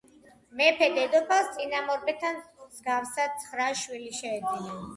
მეფე-დედოფალს წინამორბედთა მსგავსად ცხრა შვილი შეეძინა.